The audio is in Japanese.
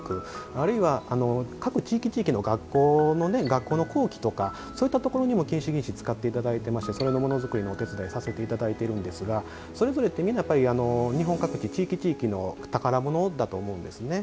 あとは、各地域地域の学校の校旗とかそういったところにも金糸、銀糸使っていただいてましてそれのものづくりのお手伝いさせていただいているんですがそれぞれ、日本各地地域地域の宝物だと思うんですね。